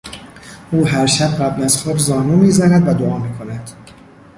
او هرشب قبل از خواب زانو میزند و دعا میکند.